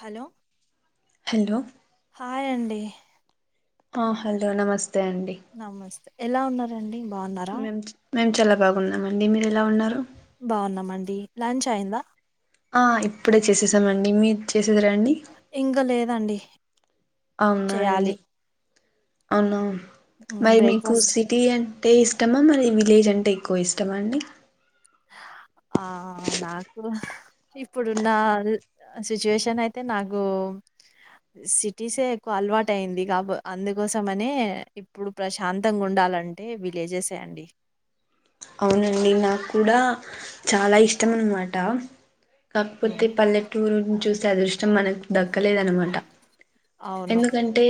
Hello hello hi అండి. ఆ hello నమస్తే అండి నమస్తే ఎలా ఉన్నారండి? బాగున్నారా మేం మేము చల్లగా ఉన్నామండి మీరు ఎలా ఉన్నారు? బావున్నామండి లంచ్ అయిందా? ఆ ఇప్పుడే చేసేసామండి మీ చేస ఇంకా లేదండి చేయాలి అవునాండి అవును మరి మీకు బ్రేక్ఫాస్ట్ సిటీ అం టే ఇష్టమా మరి విలేజ్ అంటే ఎక్కువ ఇష్టమా అండి? ఆ నాకు హ్ ఇప్పుడున్న సిచ్యుయేషన్ అయితే నాకు సిటీసే ఎక్కువ అలవాటు అయింది కాబ అందుకోసం అనే ఇప్పుడు ప్రశాంతంగా ఉం అలాంటి విలేజెసే అండి అవునండి నాకు కూడా చాలా ఇష్టం అన్నమాట. కాకపోతే ఉమ్, పల్లెటూరు చూసే అదృష్టం చం మనకు దక్కలేదన్నమాట. అవును ఎందుకంటే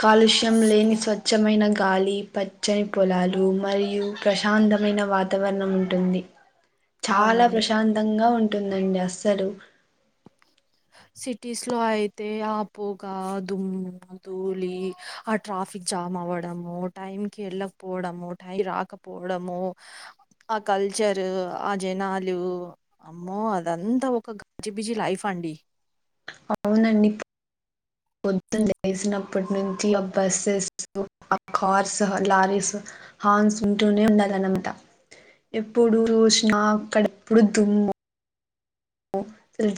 కాలుష్యం లేని స్వచ్ఛమైన గాలి పచ్చని పొలాలు మరియు ప్రశాంతం. మైన వాతావరణం ఉంటుంది చాలా అవునండి ప్రశాంతంగా ఉంటు ఉంటుందండి అస్సలు. సిటీస్ లో అయితే ఆ పొగ, దుమ్ము, ధూళి ఆ ట్రాఫిక్ జామ్ జామ్ అవ్వడము, టైంకి వెళ్ళకపోవడం, టైంకి రాకపోవడం ఆ కల్చర్ కల్చర్ ఆ జనాలు అమ్మో అదంతా ఒక గజిబిజి లైఫ్ అండి అవునండి పొద్దున లేచినప్పటి నుంచి ఆ బస్సెస్ ఆ కార్స్ ఆ లారీస్ హార్న్స్ వింటూనే ఉండాలన్నమాట. ఎప్పుడు చూసిన అక్కడెప్పుడు దుమ్ము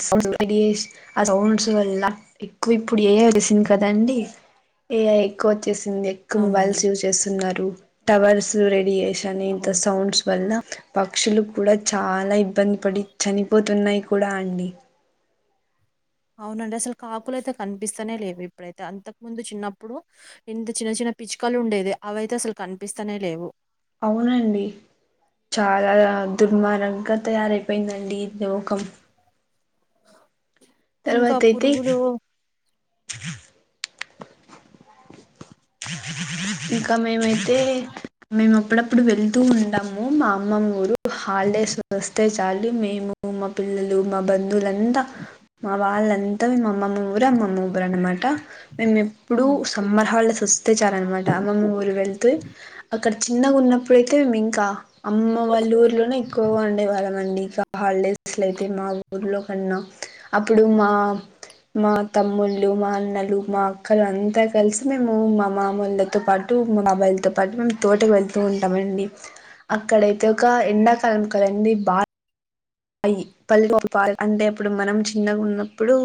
[inaudible] ఆ సౌండ్స్ వల్ల ఎక్కువ ఇప్పుడు ఏ ఐ వచ్చేసింది కదండి ఎ ఐ కొ వచ్చేసింది. ఎక్కువ అవునండి. మొబైల్స్ యూజ్ చేస్తున్నారు. హ్మ్. టవర్స్ రేడియేషన్ ఇంత అవును. సౌండ్స్ వల్ల పక్షులు కూడా చాలా ఇబ్బంది పడి చనిపోతున్నాయి కూడా అండి. అవునండి అసలు కాకులు అయితే కనిపిస్తానే లేవు. ఇప్పుడైతే అంతకు ముందు చిన్నప్పుడు ఇంత చిన్న చిన్న పిచ్చుకలు ఉండేవి. అవైతే అసలు కనిపిస్తానే లేవు. అవునండి చాలా అద్దుమానంగా తయారైపోయిందండి లోకం ఇంకా తర్వాత అయితే పురుగులు ఇంకా మేమైతే మేము, అప్పుడప్పుడు వెళ్తూ ఉంటాము మా అమ్మమ్మ ఊరు. హాలిడేస్ వస్తే చాలు మేము మా పిల్లలు, మా బంధువులుంతా మా వాళ్ళంతా మేము అమ్మమ్మ ఊరు అమ్మమ్మ ఊరు అన్నమాట మేము ఎప్పుడూ హ్మ్. సమ్మర్ హాలీడేస్ వస్తే చాలు అన్నమాట అమ్మమ్మ ఊరు వెళ్తూ అక్కడ చిన్నగా ఉన్నప్పుడుఅయితే మేము ఇంకా అమ్మ వాళ్ళ ఊర్లోనే ఎక్కువగా ఉండేవాళ్ళం అండి ఇక హాల్ ప్లేస్ లేకున్నా అయితే మా ఊర్లో కన్నా అప్పుడు మా మా తమ్ముళ్ళలు, మా అన్నలు, మా అక్కలు అందరూ కలిసి మేము మా మామలతో పాటు మా బాబాయిలతో పాటు మేము తోటకు వెళ్తూ ఉంటామండి. అక్కడైతే ఒక ఎండాకాలం కదండి బా అయి పాల్ అంటే ఇప్పుడు మనం చిన్నగా ఉన్నప్పుడు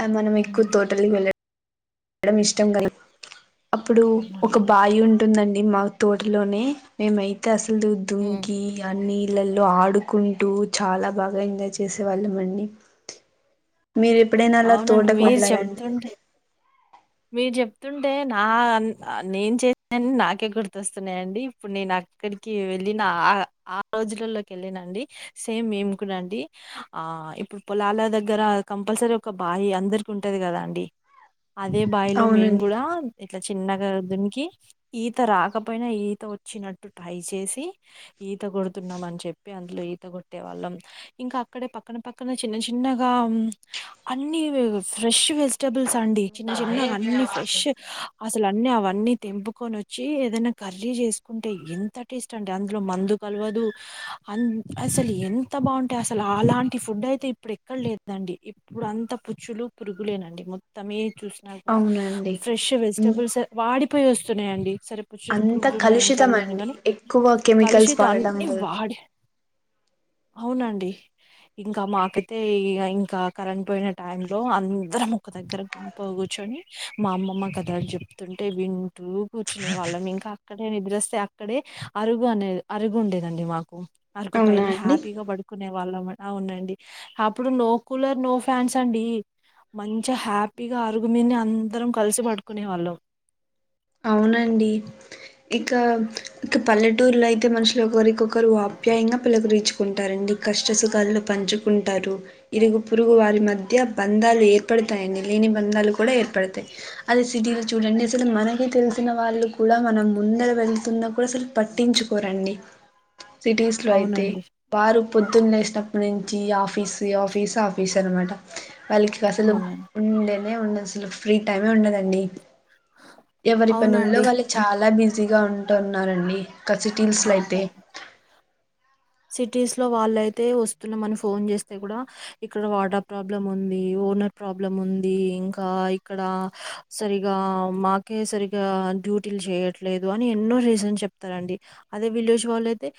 ఆ మనం ఎక్కువ హ్మ్. తోటల్కి వెళ్ళడం ఇష్టం, కల అప్పుడు, ఒక అవునండి. బాయి ఉంటుందండి మా తోటలోనే మేమయితే అస్త హ్మ్. దుంకీ అన్ని పిల్లల్తో ఆడుకుంటూ చాలా బాగా ఎంజాయ్ చేసే వాళ్ళమండి. మీరు ఎప్పుడైనా అలా అవునండి. తోటకు మీరు వెళ్ళారండి? చెప్తుంటే మీరు చెప్తుంటే నా నేను చేసినవన్నీ నాకే గుర్తొస్తున్నాయండి ఇప్పుడు నే నాకు అక్కడికి వెళ్ళిన ఆ ఆ రోజులలోకి వెళ్ళినండి సేమ్ మేం కూడా అండి ఆ ఇప్పుడు, పొలాల దగ్గర కంపల్సరీ ఒక బాయి అందరికి ఉంటది కదా అండి. ఆ [inaudible] అదే బాయిలో మేము కూడా ఇట్లా చిన్నగా దుంకి ఈత రాకపోయినా ఈత వచ్చినట్టు ట్రై చేసి ఈత కొడుతున్నాం అని చెప్పి అందులో ఈత కొట్టే వాళ్ళం. ఇంకా అక్కడే పక్కన పక్కన చిన్న చిన్నగా అన్నీ ఫ్రెష్ వెజిటబుల్స్ అండి. చిన్న చిన్నగా అన్నీ ఫ్రెష్ అసలు అన్నీ అవన్నీ తెంపుకొని వచ్చి ఏదైనా కర్రీ చేసుకుంటే ఎంత టేస్ట్ అంటే అందులో మందు క కలవదు అసలు ఎంత బాగుంటాయి అసలు అలాంటి ఫుడ్ అయితే ఇప్పుడు ఎక్కడ లేదండి. ఇప్పుడు అంత పుచ్చులు పురుగులేనండి మొత్తం ఈ చూశినా కూడా అవునండి ఫ్రెష్ అన్ వెజిటబుల్స్ అ వాడిపోయి వస్తున్నాయండి. సరే పుచ్చులు అంత పురుగులు ఉన్నా ఏం కలుషితం కాదులే అని అండి గాని. ఎక్కువ కలుషిత అన్ని వాడి గ్ అవునండి ఇంకా మాకైతే ఇగ ఇంకా కరెంట్ పోయిన టైం లో అందరం ఒక దగ్గర గుంప్ పుగ కూర్చొని మా అమ్మమ్మ కథల్ చెప్తుంటే వింటూ కూర్చునే వాళ్ళం. ఇంకా అక్కడే నిద్ర ద్రొస్తే అక్కడే అరుగు అనేద్ అరుగు ఉండేదండి మాకు. అరుగు అవునా పైనే అండి హ్యాపీగా పడు కునే వాళ్ళం అవునండి. అప్పుడు నో కూలర్ నో ఫ్యాన్స్ అండీ. మంచిగ హ్యాపీగా అరుగుమీన్నే అందరం కల్సి పడుకునే వాళ్ళం. అవునండి ఇకా ఇక పల్లెటూరులో అయితే మనుషులు ఒకరికొకరు ఆప్యాయంగా పలకరిచ్చుకుంటారం డి కష్ట సుఖాల్లు పంచుకుంటారు, ఇరుగు పొరుగు వారి మధ్యా బంధాలు ఏర్పడతాయని. లేని బంధాలు కూడా ఏర్పడతాయి. అదే సిటీలో చూడండి అసలు మనకే తెల్ ల్సిన వాళ్లు కూడా మనం ముందర వెళ్తున్నా కూడా అసల్ పట్టించుకోరండి. సిటీస్ లో అయితే అవునండి వారు. పొద్దున్న్ లేసినప్పటి నుంచీ ఆఫీస్ ఇగ ఆఫీస్, ఆఫీస్ అనమాట. వాళ్లకి అసలు అవునండి ఉండనే ఉండదు అసలు. ఫ్రీ టైమే ఉండదండి. ఎవరి పనుల్లో అవునండి వాళ్లు చాలా బిజీగా ఉంటున్నారండి. ఇంకా సిటీల్ స్లో అయితే. సిటీస్లో వాళ్లయితే వస్తున్నామని ఫోన్ చేస్తే గూడా, ఇక్కడ వాటర్ ప్రాబ్లం ఉందీ ఒ ఓనర్ ప్రాబ్లం ఉందీ, ఇంకా ఇక్కడా సరిగా మాకే సరిగా అం డ్యూటీలు చేయట్లేదు అని ఎన్నో రీజన్ చెప్తారండి. అదే విలేజ్ వాళ్ళు అయితే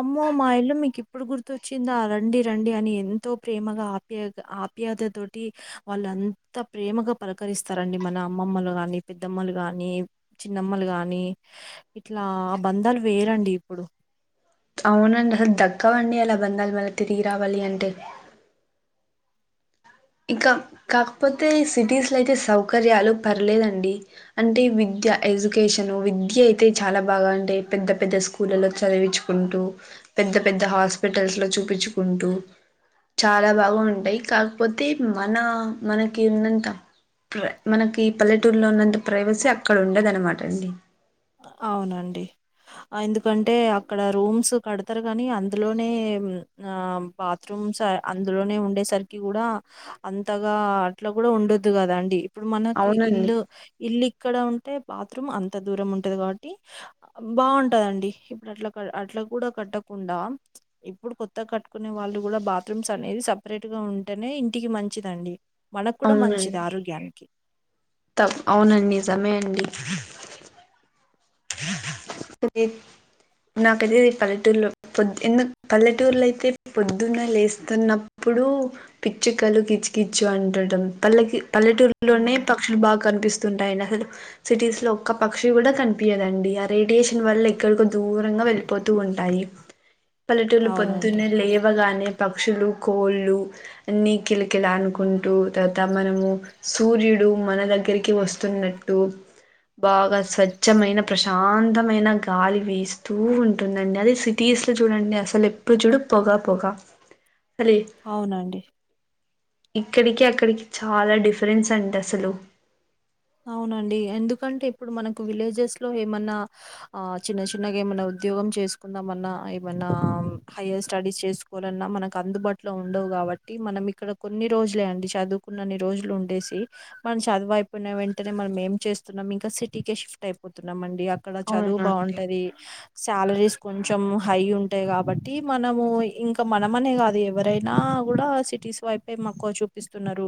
అమ్ ఓ మా ఇల్లు మీకు ఇప్పుడు గుర్తొచ్చిందా రండి రండి అని ఎంతో ప్రేమగా ఆప్యాగ ఆప్యాయతతొ తోటీ వాళ్లు అంత ప్రేమగా పలకరిస్తారండి మన అమ్మమ్మలు గాని పెద్దమ్మలు గానీ. చిన్నమ్మలు గానీ. ఇట్లా ఆ బంధాలు వేరండి ఇప్పుడు. అవునండి అసల్ దక్కవండి అలా బంధాలు మళ్ళ తిరిగి రావాలి అంటే. ఇకా కాకపోతే ఈ సిటీస్ లో అయితే సౌకర్యాలు పర్లేదండి. అంటే విద్ విద్య ఎడ్యుకేషను విద్య అయితే చాలా బాగా అంటే పెద్ద పెద్ద స్కూళ్లలో చదివిచ్చుకుంటూ. పెద్ద పెద్ద హాస్పిటల్స్ లో చూపిచ్చుకుంటూ. చాలా బాగా ఉంటాయి కాక్ పోతే మనా మనకి ఉన్నంతా ప్ర మనకీ పల్లెటూరులో ఉన్నంత ప్రైవసీ అక్కడ ఉండదు అనమాట అండి. అవునండి ఆ ఎందుకంటే అక్కడా రూమ్స్ కడతరు గానీ అందులోనే ఆ బాత్రూమ్ రూమ్స్ ఆ అందులోనే ఉండే సరికి గూడా, అంతగా అట్ల గూడా ఉండొద్దు కదా అండి. ఇప్పుడు మనకి అవునండి ఇల్లు, ఇల్లు ఇక్కడ ఉంటే బాత్రూమ్ అంత దూరం ఉంట్ టది కాబట్టి బాగుంటదండి. ఇప్పుడు అట్ల క అట్లా కూడా కట్టకుండా ప్చ్ ఇప్ ఇప్పుడు కొత్తగ కట్టుకునే వాళ్ళు గూడా బాత్రూమ్స్ అనేది సపరేట్ గా ఉంటేనే ఇంటికి మంచిదండి. మనక్కూడా మంచిది ఆరోగ్యానికి. తప్ అవునండి నిజమే అండి. [unintelligible] నాకదే పల్లెటూరలో పొద్దు ఎందుక్ పల్లెటూర్లో అయితే పొద్దున్న లేస్తున్నపు ఇప్పుడూ పిచ్చుకలు కిచ్ కిచ్చు అంటడం పల్లకి పల్లెటూరులోనే ఉమ్. పక్షులు బాగా కనిపిస్తుంటాయండి అసలు సిటీస్ లో ఒక్క పక్షి కూడా కన్ పీయదండి. ఆ రేడియేషన్ వల్ల ఎక్కడికో దూరంగా వెళ్ళిపోతూ ఉంటాయి. పల్లెటూర్లో అవునండి పొద్దునే లేవగానే ప క్షులు, కోళ్ళు అన్ని కిలకిలా అనుకుంటూ, తర్వాత మనము సూర్యుడు మన దగ్గరికి వస్తున్నట్టు బాగా స్వ స్వచ్ఛమైన ప్రశాంతమైన గాలి వీస్తూ ఉంటుందండి. అది సిటీస్లో చూడండి అసల్ ఎప్ పు చూడు పోగా పోగా అవునండి. ఇక్కడికి అక్కడికి చాలా డిఫరెన్స్ అంద్ అసలు అవునండి ఎందుకంటే ఇప్పుడు మనకు విల్లెజస్లో ఏమన్నా ఆ చిన్న చిన్నగా ఏమన్నా ఉద్ ఉద్యోగం చేసుకుందామన్నా, ఏమన్నా హైయర్ స్టడీస్ చేసుకోవాలన్నా, మనకు అందుబాటులో ఉండవవుగా. కావట్టి మనం ఇక్కడ కొన్ని రోజులే అండి. చదువుకున్నన్ని రోజులు ఉండేసి, మనం చదువైప్ కున్న వెంటనే మనం ఏం చేస్తున్నం, ఇంకా సిటీకే షిఫ్ట్ అయిపోతున్నాం మండ్ ఈ అక్కడ చదువు అవునా అండి బావుంటది. సాలరీస్ కొంచెం హై ఉంటాయ్ కాబట్టి మనము, ఇంకా మనమనే కాదు ఎవరైనా నాగూడా సిటీస్ వైపే మక్కువ చూపిస్తున్నారు.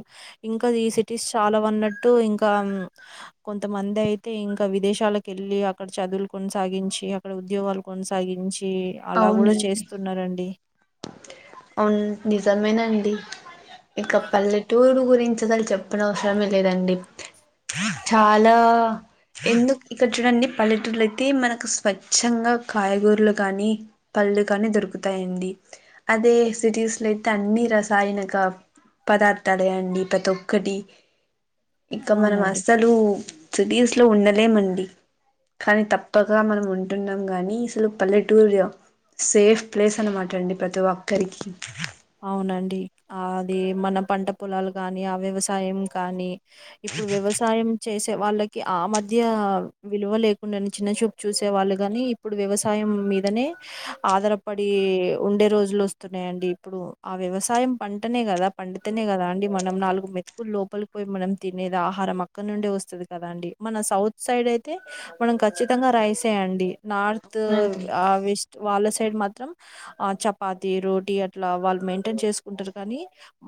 ఇంకా సిటీస్ చాలావ్ అన్నట్టు ఇంక్ కామ్ కొంతమంది అయితే ఇంకా విదేశాలక్ ఏళ్ళి అక్కడ చదువులు కొనసాగించి అక్కడ ఉ ఉద్యోగాలు కొనసాగించి అలా గూడా చేస్తున్నారండి. అవున్ నిజమేనండి. ఇంకా పల్లెటూరు గురించి అసలు చెప్పన్ అవసరమే లేదండి. చాలా ఎందుక్ ఇక్కడ చూడండి. పల్లెటూరులో అయితే మనకు స్వచ్ఛంగా కాయగూరలు కానీ ప ఓలూ కానీ దొరుకుతాయండి. అదే సిటీస్లా అయితే అన్ని రసాయనిక పదార్థాలే అండి. ప్రతి ఒక్కటి ఇంకా మనం అవునండి అసలు స్థిదిస్లో ఉండలేమండి. కానీ తప్పకా మనం ఉంటున్నాం గాని అసలు పల్లెటూలయో సేఫ్ ప్లేస్ అనమాటండి ప్రతి ఒక్కరికి. అవునండి, ఆ అది మన పంట పొలాలు కాని, ఆ వ్యవసాయం కానీ ఇప్పుడు వ్యవసాయం చేసి తే వాళ్ళకి ఆ మధ్యా విలువ లేకుండాన్ చిన్న చూపు చూసే వాళ్ళు గాని ఇప్పుడు వ్యవసాయం మీదనే ఆధారపడి ఉండే రోజులు వస్తున్నాయండి. ఇప్పుడు ఆ వ్యవసాయం పంటనే గదా, పండితనే గదా అండి. మనం నాలుగు మెతుకులు లోపల్క్ పోయి మనం తినే ఏదా ఆహారం అక్కడ నుండే వస్తది కదా అండి. మన సౌత్ సైడ్ అయితే మనం ఖచ్చితంగా రైసే అండి. నార్త్ అవునండి ఆ వెస్ట్ వాళ్ళ సైడ్ మాత్రం. ఆ చపాతి, రోటీ అట్ ట్లా వాళ్ళు మెయింటైన్ చేసుకుంటరు. కానీ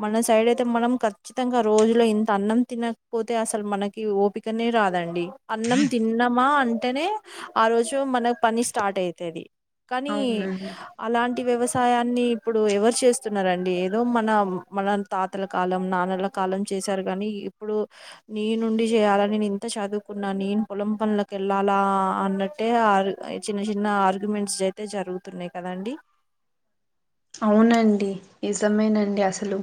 మన సైడ్ అయితే మనం ఖచ్చితంగా రోజులో ఇంత అన్నం తిన నాక్ పోతే అసలు మనకి ఓపికనే రాదండి. అన్నం తిన్నామా అంటనే ఆ రోజు మనక్ పని స్టార్ట్ అయితది. కానీ అవునండి అలాంటి వ్యవసాయాన్నిప్ ఇప్పుడు ఎవరు చేస్తున్నారండి. ఏదో మనం మనం తాతల కాలం, నాన్నల కాలం చేశారు కానీ ఇప్పుడు నీ నుండి చేయాల నీన్ ఇంత చదువుకున్నా, నేను పొలం పనులకు ఏళ్ళలా అని రాటే ఆర్ ఆ చిన్న చిన్న ఆర్గ్యుమెంట్స్ అయితే జరుగుతున్నయి కదాండి. అవునండి, నిజమేనండి. అసలు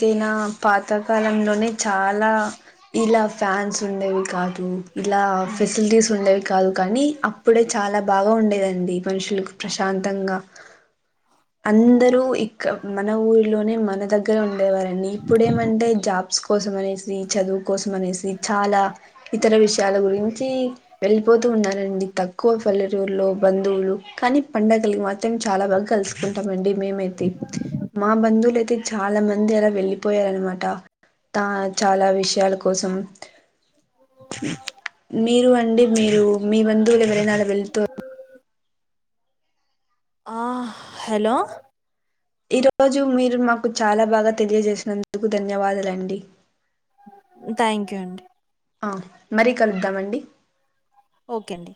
కీనా పాతకాలంలోనే చాలా ఇలా ఫ్యాన్స్ ఉండేవి కాద్. తు ఇలా ఆ ఫెసిలిటీస్ ఉండేవి కాదు. కానీ అప్పుడే చాలా బాగా ఉండేదండి. మనుషులకు ప్రశాంతంగా. అందరూ ఇక్కా మన ఊల్ లోనే మన దగ్గర ఉండేవారండి. ఇప్పుడేమంటే జాబ్స్ కు కోసం అనేసి, చదువు కోసం అనేసి, చాలా ఇతర విషయాల గురించి వెళ్ళిపోతు ఉన్నారండి తక్కువ పల్లెటూలో బంధువులు కానీ పండగలకి మాత్రం చాలా బాగా కలుసుకుంటాం. అండి మేమైతే మా బంధువులైతే చాలా మంది అలా వెళ్ళిపోయారన్నమాట. తా చాల విషయాల కోసం మీరు అండి మీరు మీ బంధువులు ఎవరైనా అలా వెళ్తు ఆ హలో ఈ రోజు మీరు మాకు చాలా బాగా తెలియజేసినందుకు ధన్యవాదులండి. థ్యాంక్ యూ అండి. ఆ మరీ కలుద్దామండి. ఓకే అండి.